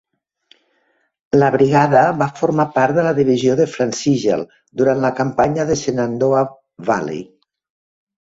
La brigada va formar part de la divisió de Franz Sigel durant la campanya de Shenandoah Valley.